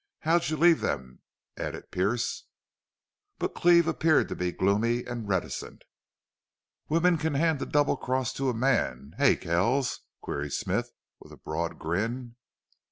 How'd you leave them?" added Pearce. But Cleve appeared to become gloomy and reticent. "Wimmen can hand the double cross to a man, hey, Kells?" queried Smith, with a broad grin.